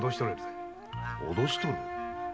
脅し取る？